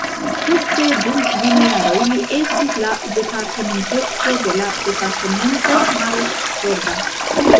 Poste dum kvin jaroj li estis la departementestro de la departemento Maros-Torda.